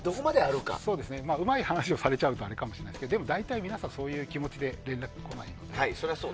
うまい話をされちゃうとあれかもしれないですけどでも大体、皆さんそういう気持ちで連絡してきます。